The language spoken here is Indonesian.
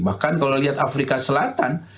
bahkan kalau lihat afrika selatan